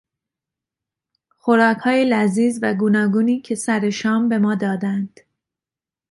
خوراکهای لذیذ و گوناگونی که سر شام به ما دادند